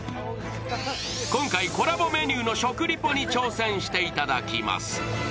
今回、コラボメニューの食リポに挑戦していただきます。